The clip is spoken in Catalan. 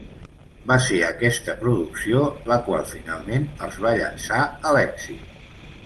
Va ser aquesta producció la qual finalment els va llançar a l'èxit.